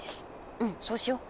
うんそうしよう。